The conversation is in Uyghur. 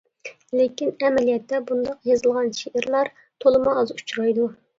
لېكىن ئەمەلىيەتتە بۇنداق يېزىلغان شېئىرلار تولىمۇ ئاز ئۇچرايدۇ.